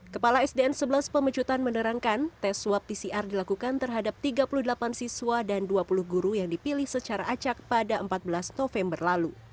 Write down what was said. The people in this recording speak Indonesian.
kepala sdn sebelas pemecutan menerangkan tes swab pcr dilakukan terhadap tiga puluh delapan siswa dan dua puluh guru yang dipilih secara acak pada empat belas november lalu